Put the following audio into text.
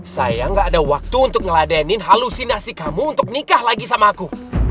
saya gak ada waktu untuk ngeladenin halusinasi kamu untuk nikah lagi sama aku